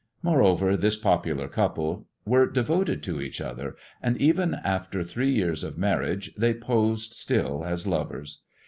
Moreover, this popular couple were devoted to each other, and even after three years of marriage they posed still as lovers.